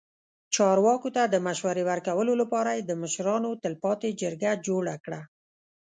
چارواکو ته د مشورې ورکولو لپاره یې د مشرانو تلپاتې جرګه جوړه کړه.